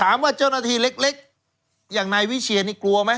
ถามว่าเจ้าหน้าที่เล็กเล็กอย่างนายวิเชียร์นี่กลัวไหม